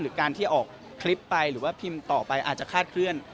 หรือการที่ออกคลิปไปหรือว่าพิมพ์ต่อไปอาจจะคาดเคลื่อน